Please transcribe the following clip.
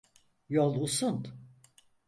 Yol uzun.